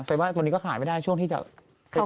แสดงว่าตัวนี้ก็ขายไม่ได้ช่วงที่จะขายทุกเปิด